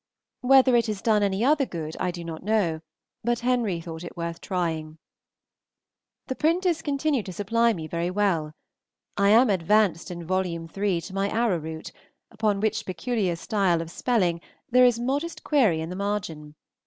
Whether it has done any other good I do not know, but Henry thought it worth trying. The printers continue to supply me very well. I am advanced in Vol. III. to my arra root, upon which peculiar style of spelling there is a modest query in the margin.